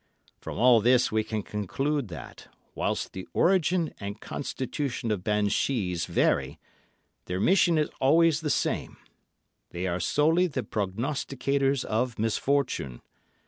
From all this we can conclude that, whilst the origin and constitution of banshees vary, their mission is always the same—they are solely the prognosticators of misfortune.